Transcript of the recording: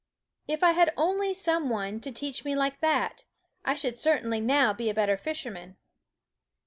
If I had only had some one to teach me like that, I should certainly now be a better fisherman.